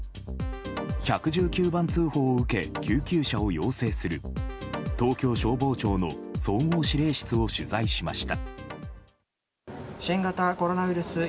１１９番通報を受け救急車を要請する東京消防庁の総合指令室を取材しました。